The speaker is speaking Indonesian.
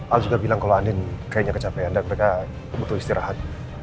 al juga bilang kalau andin kayaknya kecapean dan mereka butuh istirahat